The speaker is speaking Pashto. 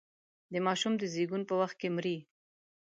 د ماشوم د زېږون په وخت کې مري.